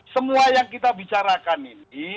semua yang kita bicarakan ini